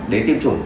đến tiêm chủ